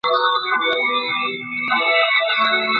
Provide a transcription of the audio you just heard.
সেদিন এই কথাটা নিয়ে এত রাগ করেছিলুম যে আমার চোখ দিয়ে জল পড়ে গিয়েছিল।